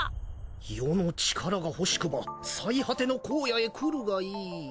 「余の力が欲しくば『最果ての荒野』へ来るがいい」